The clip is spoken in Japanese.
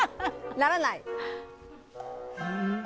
ならない？